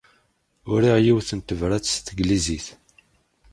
Uriɣ yiwet n tebṛat s tanglizit.